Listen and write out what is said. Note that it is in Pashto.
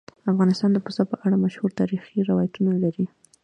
افغانستان د پسه په اړه مشهور تاریخی روایتونه لري.